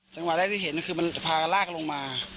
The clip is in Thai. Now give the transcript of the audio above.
จังหวะแรกที่เห็นคือมันพากันลากลงมา